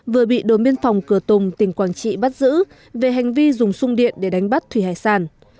vừa bị đồn biên phòng cửa tùng tỉnh quảng trị bắt giữ về hành vi dùng sung điện để đánh bắt thủy hải sản